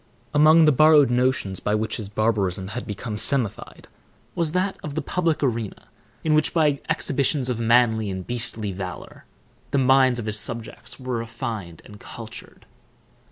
Among the borrowed notions by which his barbarism had become semified was that of the public arena, in which, by exhibitions of manly and beastly valor, the minds of his subjects were refined and cultured.